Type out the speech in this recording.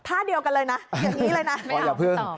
ท่าเดียวกันเลยนะอย่างนี้เลยนะ